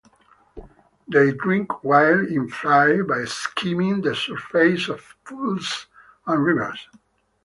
They drink while in flight by skimming the surface of pools and rivers.